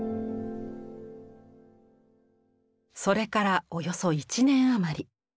それからおよそ１年余り。